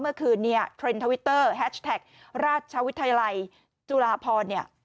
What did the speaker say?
เมื่อคืนเนี่ยเทรนด์ทวิตเตอร์แฮชแท็กราชวิทยาลัยจุฬาพรเนี่ย